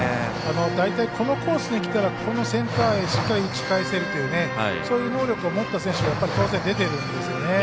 大体、このコースにきたらこのセンターへしっかり打ち返せるというそういう能力を持った選手が当然、出ているんですよね。